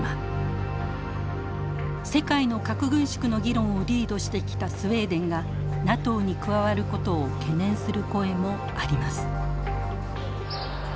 世界の核軍縮の議論をリードしてきたスウェーデンがＮＡＴＯに加わることを懸念する声もあります。